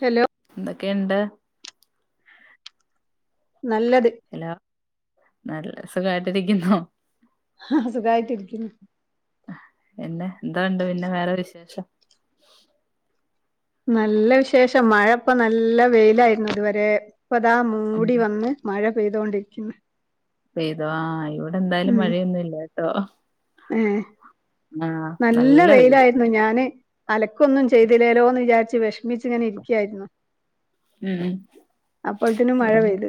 Hello ന്തൊക്കെയുണ്ട് നല്ലത് hello നല്ല സുഖായിട്ടിരിക്കുന്നൊ ആ സുഖായിട്ടിരിക്കുന്ന് ല്ല എന്താണ്ട് പിന്നെ വേറെ വിശേഷം നല്ല വിശേഷം മഴ ഇപ്പ നല്ല വെയിലായിരുന്നു ഇതുവരെ ഇപ്പതാ ഉം മൂടി വന്ന് മഴ പെയ്തോണ്ടിരിക്കുന്ന് പെയ്തോ ആ ഇവിടെ എന്തായാലും മഴയൊന്നുല്ല്യട്ടൊ ഏഹ നല്ല വെയിലായി ഞാന് അലക്കൊന്നും ചെയ്തില്ലേലോ എന്ന് വിചാരിച്ച് വിഷമിച്ച്ഇങ്ങനെ ഇരിക്കായിരുന്ന് ഉം അപ്പൊത്തിനും മഴ ഇവിടെ പെയ്ത്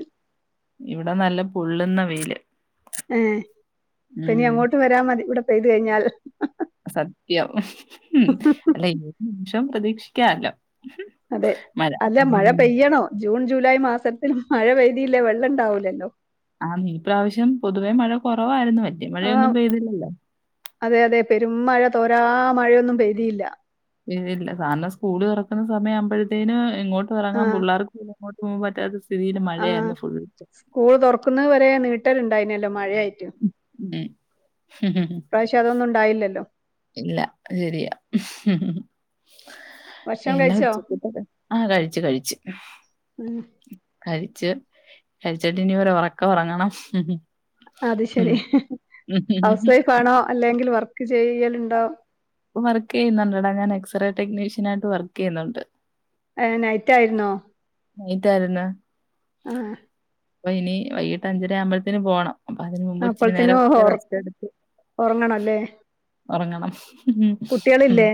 ഇവിടെ നല്ല പൊള്ളുന്ന വെയില് ഏ പിന്നെ ഉം അങ്ങോട്ട് വരാ മതി ഇവിടെ പെയ്ത് കഴിഞ്ഞാൽ സത്യം ഉ അല്ല ഏത് നിമിഷം പ്രതീക്ഷിക്കാല്ലോ അതെ മഴ അല്ല മഴ ഉം പെയ്യണോ ജൂൺ ജൂലൈ മാസത്തിന് മഴ പെയ്തീല്ലേ വെള്ളം ഉണ്ടാവൂലല്ലോ ആ നീ പ്രാവശ്യം പൊതുവെമഴ കുറവാരുന്നു വല്യ ആ മഴയൊന്നും പെയ്തില്ലല്ല അതെ അതെ പെരും മഴ തോരാ മഴയൊന്നും പെയ്തീല്ല ഇല്ല കാരണം സ്കൂള് തുറക്കുന്ന സമയ ആവുമ്പോഴത്തേനും ഇങ്ങോട്ടും ആ ഇറങ്ങാൻ പിള്ളേർക്ക് ഇങ്ങോട്ട് പോവാൻ പറ്റാത്ത സ്ഥിതിൽ ആ മഴയായിരുന്നു ഫുള്ള് സ്കൂൾ തുറക്കുന്നത് വരെ നീട്ടല് ണ്ടായിനല്ലോ മഴയായിട്ട് ഉം ഇ പ്രാവശ്യതൊന്നും ഉണ്ടായില്ലല്ലോ ഇല്ല അത് ശരിയാ ഹ് ഹമ് ഭക്ഷണം പിന്നെ കഴിച്ചോ ഉച്ചക്കത്തത് ആഹ് കഴിച്ച് കഴിച്ച് ഉം കഴിച്ച് കഴിച്ചിട്ടിനി ഒരു ഒറക്ക ഒറങ്ങണം അത് ശെരി ഹൗസ് വൈഫ് ആണോ അല്ലെങ്കിൽ വർക്ക് ചെയ്യല്ണ്ടോ ഇപ്പൊ വർക്കെയ്യുന്നുണ്ടടാ ഞാൻ എക്സ്റേ ടെക്നീഷ്യനായിട്ട് വർക്കെയ്യുന്നുണ്ട് ഹ് നൈറ്റായിര്ന്നോ നൈറ്റാരുന്ന് ആഹ് അപ്പൊ ഇനി വൈട്ട് അഞ്ചരയാമ്പഴത്തെന് പോണം അപ്പൊ അതിന് മുമ്പ് ഇച്ചിരി നേരം അപ്പോഴത്തേനും ഒക്കെ ഉറ റസ്റ്റ്‌ എടുത്ത് ഉറങ്ങണം അല്ലേ ഒറങ്ങണം [unintelligible] ഉം കുട്ടികളില്ലേ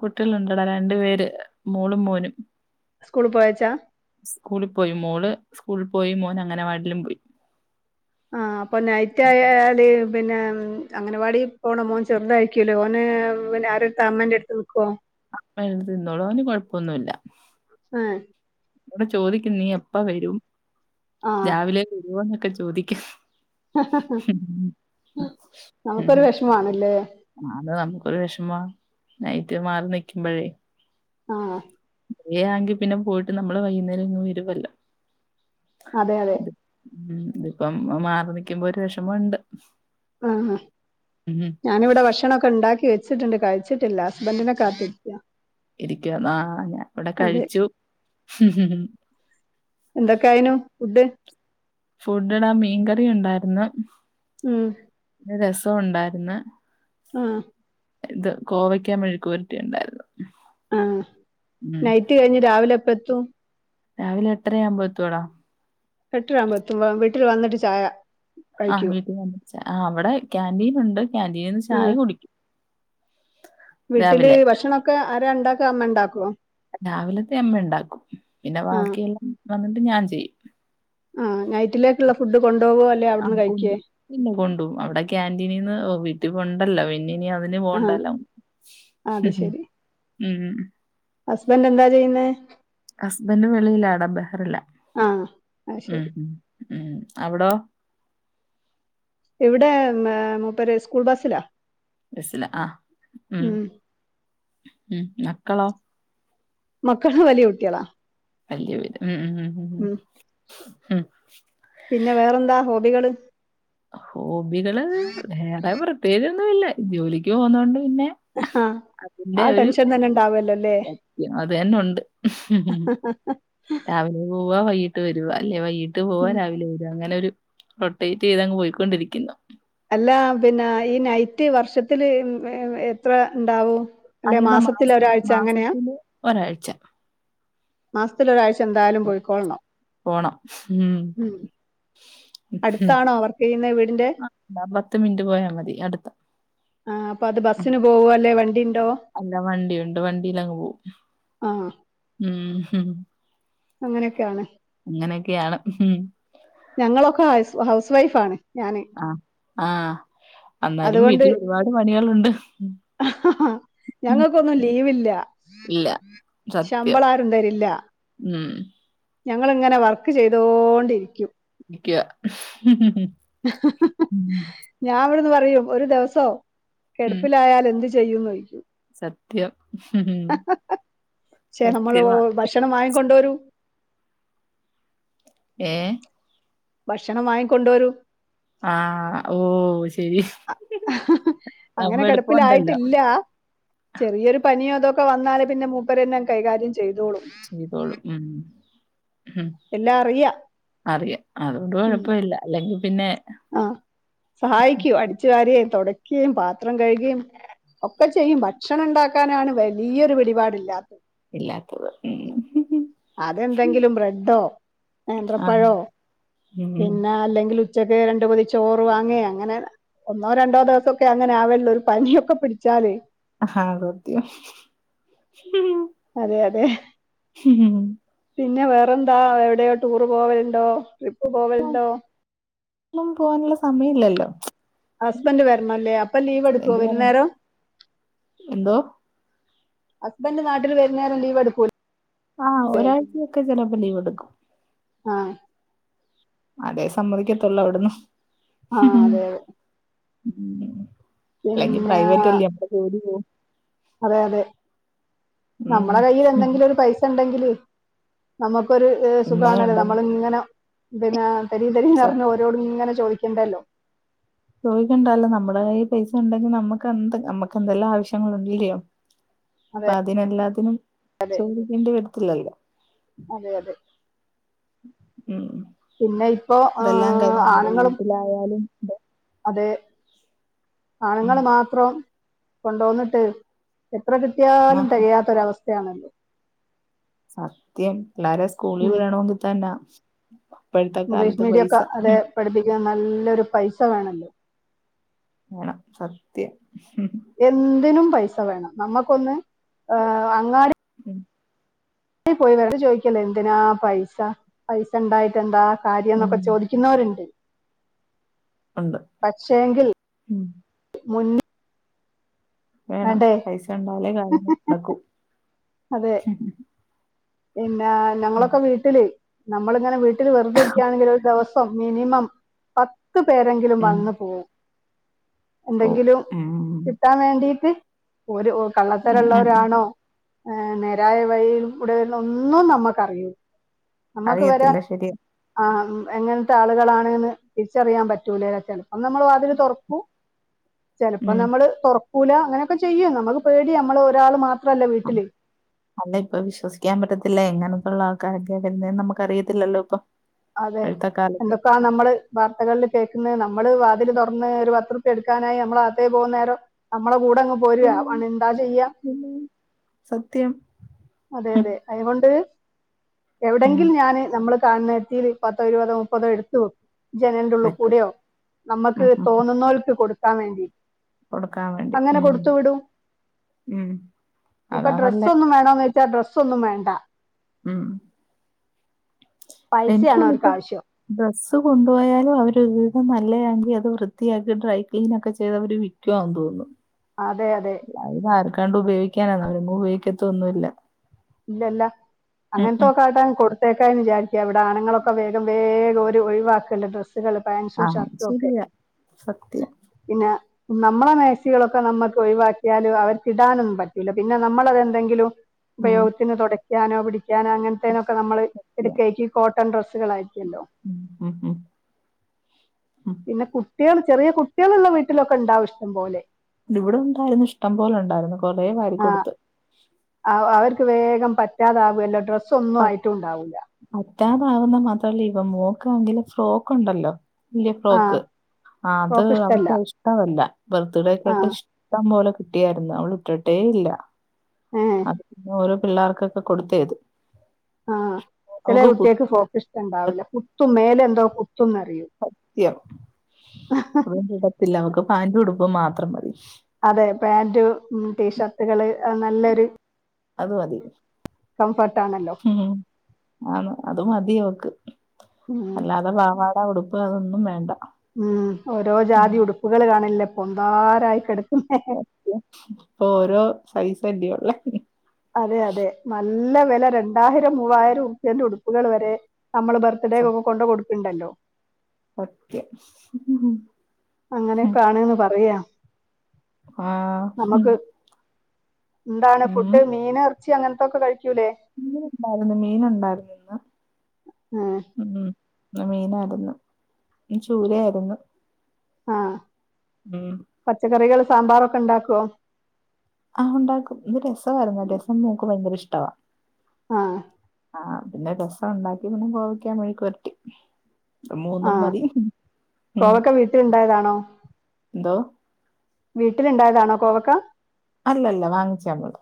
കുട്ടികളുണ്ടടാ രണ്ടു പേര് മോളും മോനും സ്കൂൾ പോയച്ചാ സ്കൂളിപോയി മോള് സ്കൂളിൽ പോയി മോന് അങ്ങനവാടിലും പോയി ആ അപ്പൊ നൈറ്റായാല് പിന്നെ ഉം അങ്ങനവാടി പോണ മോൻ ചെറുതായി ക്കിലു ഓന് പിന്നെ ആരെടുത്ത അമ്മന്റെട്ത്ത് നിക്കോ അമ്മേടെ അടുത്ത് നിന്നോളും അവന് കൊഴപ്പൊന്നുല്ല ഏ ന്നോട് ചോദിക്കും നീ എപ്പ വരും ആ ആ രാവിലെ വരുവോന്നൊക്കെ ചോദിക്കും [unintelligible] നമുക്കൊരു വിഷമാണല്ലേ അത് നമുക്കൊരു വെഷമാ നൈറ്റ് മാറി നിക്കുമ്പഴേ ആഹ് ഡേ ആങ്കി പിന്നെ പോയിട്ട് നമ്മള് വൈയ്യുന്നേരിങ്ങ് വരുവല്ലോ അതെ അതെ ഇത് ഉം ഇതിപ്പം മ മാറി നിക്കുമ്പോ ഒരു വെഷമുണ്ട് ആഹ ഞാനിവിടെ ഭക്ഷണൊക്കെണ്ടാക്കി വെച്ചിട്ടുണ്ട് കഴിച്ചിട്ടില്ല ഹസ്ബന്റിനെ കാത്ത് ഇരിക്കുവ ആഹ് ഞാൻ ഇവിടെ അതെ കഴിച്ചു [unintelligible] എന്തക്കായിനു ഫുഡ് ഫുഡെടാ മീൻകറിയുണ്ടായിര്ന്ന് ഉം പിന്നെ രസൊണ്ടാരുന്ന് ആഹ് ഇത് കോവയ്ക്കാ മെഴുക്കുവരട്ടിയുണ്ടായിരുന്ന് ആഹ് നൈറ്റ് കഴിഞ്ഞ് രാവിലെ എപ്പ എത്തും രാവിലെ എട്ടരയാവുമ്പോ എത്തുടാ എട്ടരയാമ്പോ എത്തുവോ വീട്ടില് വന്നിട്ട് ചായ ആഹ് കഴിക്കൂ വീട്ടിൽ വന്ന് ച ആ അവിടെ കാന്റീൻ ഉണ്ട് കാന്റീന്ന് ആ ചായ കുടിക്കും വീട്ടില് രാവിലെ ഭക്ഷണൊക്കെ ആരാ ഇണ്ടാക്കാ അമ്മ ഇണ്ടാക്കോ രാവിലത്തെ അമ്മ ഇണ്ടാക്കും പിന്നെ ആ വാക്കിയെല്ലാം വന്നിട്ട് ഞാൻ ചെയ്യും ആ നൈറ്റിലേക്കുള്ള ഫുഡ് കൊണ്ടോകോ അ ആഹ് കൊണ്ടും പിന്നെ കൊണ്ടും അവിടെ കാന്റീനിന്ന് വീട്ടി ഒണ്ടല്ലോ പിന്നിനി അവ ന് ആ പോണ്ടല്ലോ ആ, [unintelligible] ഉം ഉം ഉം ഹസ്ബന്റ് എന്താ ചെയ്യുന്നേ ഹസ്ബന്റ് വെളിയിലാടാ ബെഹ്റില ആ ആ ഉം ശരി ഉം ഉം അവിടോ ഇവിടെ മേ മൂപ്പര് സ്കൂൾ ബസ്സിലാ ബസില ആഹ് ഉം ഉം മക്കളോ മക്കള് വലിയ കുട്ടികളാ വല്യ വര് ഉം ഉം ഉം ഉം പിന്നെ വേറെന്താ ഹോബികള് ഹോബികള് വേറെ പ്രത്യേകിച്ചൊന്നൂല്ല ജോലിക്ക് പോകുന്നോണ്ട് പിന്നെ ആഹ് അതിന്റെ ഒരു സത്യം അത് തന്നെ ഉണ്ട് രാവിലെ പോവ വൈകിട്ട് വരുവാ അല്ലെ വൈകീട്ട് പോവ ഉം രാവിലെ വരുവ അങ്ങനെ ഒരു റൊട്ടെ ചെയ്തങ്ങ് പോയിക്കൊണ്ടിരിക്കുന്നു അല്ല പിന്നെ ഈ നൈറ്റ് വർഷത്തില് എത്ര ഇണ്ടാവും അല്ലെ അല്ലട മാസ മാസത്തില് ഒരാഴ്ച അങ്ങനെയാ മാസത്തില് ഒരാഴ്ച മാസത്തില് ഒരാഴ്ച എന്തായാലും പോയ്ക്കൊൾണം ഉം അടുത്താണോ വർക്ക് ചെയ്യുന്ന വീടിന്റെ ആ പത്ത് മിനിറ്റ് പോയാ മതി അടുത്ത ആഹ് അപ്പൊ അത് ബസ്സിന് പോവോ അല്ലെ വണ്ടി ഇണ്ടോ അല്ല വണ്ടിയുണ്ട് വണ്ടിയിലങ്ങ് പോവും ആ ഉം അങ്ങനെയൊക്കെയാണ് അങ്ങനൊക്കെയാണ് ഉം ഞങ്ങളൊക്കെ ഹൗ ഹൗസ് വൈഫ് ആണ് ഞാന് ആ ആഹ് എന്നാലും വീട്ടിൽ ഒരുപാട് പണികളുണ്ട് അഹ.. ഹാ.. ഞങ്ങൾക്കൊന്നും ലീവില്ല ഇല്ല. സത്യം. ശമ്പളാരും തരില്ല ഉം ഞങ്ങളിങ്ങനെ വർക്ക് ചെയ്തോണ്ടിരിക്കും ഇരിക്ക്യ ഞാൻ ഇവിടെന്ന് പറയും ഒരു ദിവസോ ഉം. കെടപ്പിലായാലെന്ത് ചെയ്യുംന്ന് ചോയ്ക്കും സത്യം ക്ഷെ നമ്മള് സത്യവാ ഭക്ഷണം വാങ്ങിക്കൊണ്ടോരും ഏഹ് ഭക്ഷണം വാങ്ങിക്കൊണ്ടോരും ആഹ് ഓ ശരി അങ്ങനെ അതാവുമ്പോ എളുപ്പമുണ്ടല്ലോ കെടപ്പിലായിട്ടില്ല ചെറിയൊരു പനിയോ അതൊക്കെ വന്നാൽ പിന്നെ മൂപ്പരന്നെങ്ങ് കൈകാര്യം ചെയ്തോളും ചെയ്തോളും ഉം ഉം എല്ലാം അറിയാ അറിയാം അതുകൊണ്ട് ഉം കൊഴപ്പല്ല അല്ലെങ്കി പിന്നെ ആഹ് സഹായിക്കും അടിച്ചു വാരുകേം തൊടക്കുകേം പാത്രം കഴുകേം ഒക്കെ ചെയ്യും ഭക്ഷണം ഇണ്ടാക്കാനാണ് വലിയൊരു പിടിപാടില്ലാത്തത് ഇല്ലാത്തത് ഉം അതെന്തെങ്കിലും ബ്രെഡോ ആഹ് നേന്ത്രപ്പഴോ ഉം പിന്നെ അല്ലെങ്കിൽ ഉച്ചക്ക് രണ്ടു പൊതി ചോറ് വാങ്ങേ അങ്ങനെ ഒന്നോ രണ്ടോ ദെവസോക്കെ അങ്ങനെ ആവല്ള്ളു ഒരു പനിയൊക്കെ പിടിച്ചാല് ആഹ് സത്യം അതെ അതെ [unintelligible] പിന്നെ വേറെന്താ എവിടെയോ ടൂറ് പോവലുണ്ടോ ട്രിപ്പ് പോവലുണ്ടോ ഒന്നും പോവാനൊള്ള സമയില്ലല്ലോ ഹസ്ബൻഡ് വരണം ല്ലേ അപ്പം ലീവ് എടുക്കോ ഹസ്ബൻഡ് പറയണം വരുന്നേരം എന്തോ ഹസ്ബൻഡ് നാട്ടിൽ വരുന്നേരം ലീവെടുക്കൂലേ ആഹ് ഒരാഴ്ചയൊക്കെ ചെലപ്പോ ലീവെടുക്കും ആഹ് അതേ സമ്മതിക്കത്തുള്ളൂ അവിടന്നും ആ അതെ അല്ലെങ്കി പിന്നെ പ്രൈവറ്റല്ലെ അമ്മടെ ജോലി പോവും അതെ അതെ നമ്മടെ ഉം കയ്യില് എന്തെങ്കിലും ഒരു പൈസ ഇണ്ടെങ്കില് നമ്മക്കൊരു പിന്നെ സുഖാണല്ലോ ഉണ്ടെങ്കി നമ്മളിങ്ങനെ പിന്നെ തരീം തരീം ന്ന് പറഞ്ഞ് ഓരോട് ഇങ്ങനെ ചോദിക്കണ്ടല്ലോ ചോയ്ക്കണ്ടാല്ലോ നമ്മുടെ കയ്യിൽ പൈസ ഉണ്ടെങ്കി നമ്മുക്ക് എന്ത് നമ്മുക്ക് എന്തെല്ലാം ആവശ്യങ്ങൾ ഉണ്ട് ഇല്ലിയോ പ്പ അതെ അതിനെല്ലാത്തിനും ചോദിക്കേണ്ടി വരത്തില്ലല്ലോ അതെ അതെ ഉം പിന്നെ ഇപ്പോ ആ, ഇതെല്ലാം കഴിഞ്ഞ് നമ്മുടെ ആണുങ്ങളും വീട്ടിലായാലും അതെ ഉം ആണുങ്ങള് മാത്രം കൊണ്ടോന്നിട്ട് എത്ര മ കിട്ടിയാലും തികയാത്തൊരവസ്ഥയാണല്ലോ സത്യം പിള്ളാരെ സ്കൂളിൽ ഉം വിടണോങ്കി തന്നാ ഇപ്പഴ്ത്തെ ഇംഗ്ലീഷ് കാലത്ത് മീഡിയം പൈസ ഒക്കെ അത് പഠിപ്പിക്കാൻ നല്ലൊരു പൈസ വേണല്ലോ വേണം സത്യം എന്തിനും പൈസ വേണം നമുക്കൊന്ന് അ അങ്ങാടി ഉം ടി പോയി വെല ചോദിക്കല് എന്തിനാ പൈസ പൈസ ഉണ്ടായിട്ട എന്താ ഉം കാര്യന്നൊക്കെ ചോദിക്കുന്നോരുണ്ട് ഉണ്ട് പക്ഷേങ്കിൽ ഉം മുൻ വേണം പൈസ ഉണ്ടായാലേ കാര്യങ്ങൾ നടക്കു അതെ പിന്നെ നങ്ങളൊക്കെ വീട്ടില് നമ്മളിങ്ങനെ വീട്ടിൽ വെറുതെ ഇരിക്കുകയാണെങ്കിൽ ഒരു ദോവ സം മിനിമം പത്ത് പേരെങ്കിലും ഉം വന്ന് പോവും ഓ എന്തെങ്കിലും ഉം കിട്ടാൻ വേണ്ടിട്ട് ഓരു ഉം ഉം കള്ളത്തരഉള്ളോരാണോ നേരായ വഴിയിൽ കൂടെ ഇതൊന്നും നമ്മുക്കറിയൂ നമ്മക്ക് ഇവരാ അറിയത്തില്ല ശരിയാ ആ മ് എങ്ങനത്തെ ആളുകളാണ്ന്ന് തിരിച്ചറിയാൻ പറ്റൂലെലോ ചെലപ്പം നമ്മള് വാതില് തുറക്കൂ ചിലപ്പോ ഉം നമ്മള് തുറക്കൂല അങ്ങനൊക്ക ചെയ്യും നമുക്ക് പേടി നമ്മള് ഒരാള് മാത്രല്ല വീട്ടില് അല്ല ഇപ്പ വിശ്വസിക്കാൻ പറ്റത്തില്ല എങ്ങനത്തോള്ള ആൾക്കാരൊക്കെ വരുന്നെന്ന് നമുക്ക് അറിയത്തില്ലല്ലോ ഇപ്പം അതെ എന്തൊക്കാ നമ്മള് വാർത്തകളില് കേക്ക്ന്ന് നമ്മള് വാതില് തുറന്ന് ഒരു പതുറുപ്യ എടുക്കാനായി നമ്മള് അകത്തേക്ക് പോകുന്നേരം നമ്മളെ കൂടങ് പോരുവ പിന്നെ ഓന് എന്താ ചെയ്യാ പിന്നെ സത്യം അതെ ഉം അതെ അയ്കൊണ്ട് ഉം എവിടെങ്കിൽ ഞാന് നമ്മള് കാണുന്നത്തീല് പത്തോ ഇരുപതോ മുപ്പതോ എടുത്ത് വെ ജനലിന്റെ ഉള്ളിൽ പറ്റും കൂടിയോ നമുക്ക് ഉം ഉം തോന്നുന്നോൽക്ക് കൊടുക്കാൻ വേണ്ടി കൊടുക്കാൻ വേണ്ടി അങ്ങനെ ഉം കൊടുത്തു വിടും ഉം ഇപ്പൊ അതാ ഡ്രെസ് നല്ലെ ഒന്നും വേണോന്ന് ച ഡ്രസ്സ് ഒന്നും വേണ്ട ഉം പൈസയാണ് എനിക്ക്തോന്ന് അവർക്ക് ഇപ്പ ആവശ്യം ഡ്രസ്സ് കൊണ്ടു പോയാലും അവര് ഒരുവിധം നല്ലയാങ്കി അത് വൃത്തിയാക്കി ഡ്രൈ ക്ലീൻ ഒക്കെ ചെയ്തവര് വി ക്കുവാ തോന്നുന്നു അതെ അതെ അയിനാർക്കാണ്ട് ഉപയോഗിക്കാനാ അവരൊങ്ങും ഉപയോഗിക്കത്തൊന്നുഇല്ല ഇല്ല ഇല്ല അങ്ങനത്തൊക്കെ ആട്ടാ കൊടുത്തേകാന് വിചാരിക്ക ഇവിടെ ആണ്ങ്ങളൊക്കെ വേഗം വേഗം ഓര് ഒഴിവാക്കല് ഡ്രസ്സുകള് പാൻസും ആഹ് ഷർട്ടും ഒക്കെ ശരിയാ സത്യം പിന്ന നമ്മള മാക്സികളൊക്കെ നമ്മക്ക് ഒഴിവാക്കിയാല് അവർക്ക് ഇടാനൊന്നും പറ്റൂല്ല പിന്നെ നമ്മളത് എന്തെങ്കിലും ഉം ഉപയോഗത്തിന് തൊട ക്കാനോ പിടിക്കാനോ അങ്ങനത്തേനൊക്കെ നമ്മള് എടുക്കാരിക്കും ഈ കോട്ടൺ ഡ്രസ്സുകളാരിക്ക്ല്ലോ ഉം ഉം ഉം ഉം പിന്നെ കുട്ടികള് ചെറിയ കുട്ടികളുള്ള വീട്ടിലൊക്കെ ഉണ്ടാവും ഇഷ്ടം പോലെ ഇവിടെ ഉണ്ടാരുന്നു ഇഷ്ടം പോലെ ഉണ്ടാരുന്നു കൊറേ വാരി ആ കൊടുത്ത് ആ അവർക്ക് വേഗം പറ്റാതാവൂഅല്ലോ ഡ്രസ്സ് ഒന്നും ആയിട്ടും ഉണ്ടാവൂല്ല പറ്റാതാവുന്ന മാത്രഅല്ല ഇവ മോക്ക് ആങ്കില് സ്റ്റോക്ക് ഉണ്ടല്ലോ വല്യ ആ ഫ്രോക്ക് ആ ത് ഫ്രോക്ക് ഇഷ്ടല്ല അവക്കിഷ് ഇഷ്ടവല്ല ആ ബർത്ത്ഡേക്കൊക്കെ ഇഷ്ടം പോലെ കിട്ടിയായിരുന്നു അവള് ഇട്ടിട്ടേ ഇല്ല. ഏ അത് പിന്നെ ഓരോ പിള്ളേർക്കൊക്കെ കൊടുത്തേത്. ആഹ്‌ ചെല കുട്ട്യേക്ക് ഫ്രോക്ക് ഇഷ്ടം കുത്തിയോ ഉണ്ടാവില്ല കുത്തും മേലെന്തോ കുത്തുംന്നറിയും. സത്യം അതൊന്നും ഇടത്തില്ല അവക്ക് പാന്റും ഉടുപ്പും മാത്രം മതി. അതെ പാന്റ് ടീഷർട്ടുകള് അ നല്ലൊരു. അത് മതി. കംഫർട്ടാണല്ലോ. ഉം ആന്ന് അത് മതിയവക്ക് ഉം അല്ലാതെ പാവാ ആ ഉടുപ്പ് അതൊന്നും വേണ്ട. ഉം ഓരോ ഉം. ജാതി ഉടുപ്പുകൾ കാണില്ലേ പൊന്താരായി കെട് ഇപ്പൊ ഓരോ സൈസല്ലേ ഉള്ളെ. അതെ അതെ നല്ല വില രണ്ടായിരം മൂവായിരം ഉർപ്പ്യേന്റെ ഉടുപ്പുകൾ വരെ നമ്മള് ബർ [unintelligible] കുട്ട്യാക്കൊക്കെ കൊണ്ടേ കൊട്ക്ക്ൺണ്ടല്ലോ.. ഒക്കെ. അങ്ങനെയൊക്കെ ആണ്ന്ന് പറയാ. ആഹ്‌ ഹും. നമുക്ക് എന്താണ് ഫുഡ് മീന് എർച്ചി അങ്ങൻത്തൊക്കെ കഴിക്കൂലേ? മീനൊ ണ്ടായിരുന്നു മീൻ ഉണ്ടായിരു ന്നുന്ന് ഉം. ഇന്നു മീനായിരുന്നു ചൂരയാ യിരുന്നു. ആഹ്‌. ഉം പച്ചക്കറികൾ സാമ്പാറൊക്കെ ണ്ടാക്കോ? ആഹ് ഉണ്ടാക്കും ഇന്നു രസവായിരുന്നു രസം മോക്ക് ഭയങ്കര ഇഷ്ടവാ. ആഹ്‌ ആഹ്‌ പിന്നെ രസം ഉണ്ടാക്കി പിന്നെ കോവക്കാ മെഴുക്കുപുരട്ടി. മൂന്നും ആഹ് മതി ഉം കോവക്ക വീട്ടിലുണ്ടായതാണോ എന്തോ? വീട്ടില്ണ്ടായതാണോ കോവക്ക? അല്ലല്ല വാങ്ങിച്ച മ്മള്.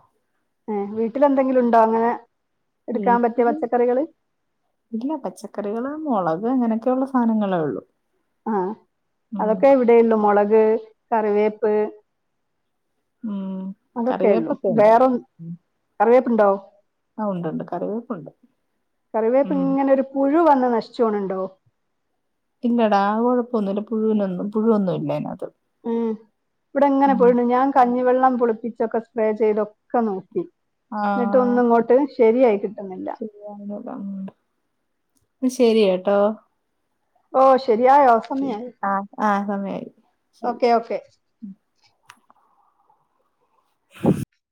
ഏഹ്‌ വീട്ടിലെന്തെങ്കിലും ഉണ്ടോ അങ്ങനെ എടുക്കാൻ പറ്റിയ വീട്ടില് പച്ചക്കറികള്? ഇല്ല പച്ചക്കറികള് മുളക് അങ്ങനെയൊക്കെയൊള്ള സാധനങ്ങളേ ഉള്ളു. ആഹ് അതൊക്കെ ഇവിടെ ഉള്ളു മുളക് കറിവേപ്പ് ഉം അതൊക്കെയുള്ളൂ കറിവേപ്പൊക്കെ ഉണ്ട് വേറെ ഉം. കറിവേപ്പുണ്ടോ? ആ ഉണ്ടു ണ്ട് കറിവേപ്പുണ്ട്. കറിവേപ്പ് ഉം ഇങ്ങനൊരു പുഴു വന്ന് നശിച്ചോണുണ്ടോ? ഇല്ലടാ ആ കുഴപ്പോന്നുല്ല പുഴുവിനൊന്നും പുഴുവൊന്നുല്ല അയിനകത്ത്. ഉം ഇവ്ടെങ്ങനെ പുഴുണ്ട് ഞാൻ കഞ്ഞിവെള്ളം പുളിപ്പിച്ചൊക്കെ സ്പ്രേ ചെയ്തൊക്കെ നോക്കി. ആ ന്നട്ടൊന്നും ഇങ്ങോട്ട് ശരിയായി കിട്ടുന്നില്ല. ശരി കേട്ടോ. ഓ ശരിയായോ സമയായോ ആ ആ സമയായി ശരി ഓക്കെ ഓക്കെ